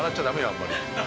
あんまり。